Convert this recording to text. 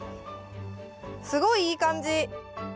すごいいい感じ。